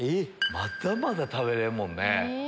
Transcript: まだまだ食べれんもんね。